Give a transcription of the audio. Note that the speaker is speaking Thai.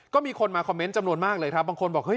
ก็มีคนมาคอมเมนต์จำนวนมากเลยครับบางคนบอกเฮ